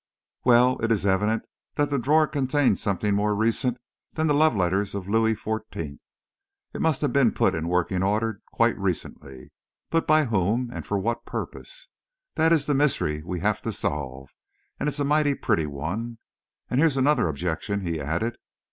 "Well, it is evident that the drawer contains something more recent than the love letters of Louis Fourteenth. It must have been put in working order quite recently. But by whom and for what purpose? That is the mystery we have to solve and it is a mighty pretty one. And here's another objection," he added.